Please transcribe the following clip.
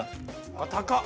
ああ高っ。